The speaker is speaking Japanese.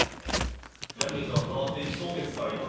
ジャニーズは変わっていきそうですか？